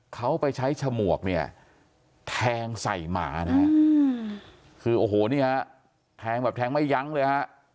เขาไปใช้ฉมวกเนี่ยแทงใส่หมานะฮะคือโอ้โหนี่ฮะแทงแบบแทงไม่ยั้งเลยฮะ